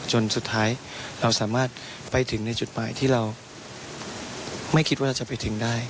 จนสุดท้ายเราสามารถไปถึงในจุดหมายที่เราไม่คิดว่าเราจะไปถึงได้